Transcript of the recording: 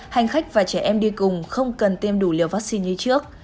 hành khách và trẻ em đi cùng không cần tiêm đủ liều vaccine như trước